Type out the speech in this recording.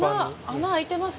穴穴開いてます